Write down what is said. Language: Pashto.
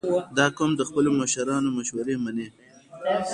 • دا قوم د خپلو مشرانو مشورې منې.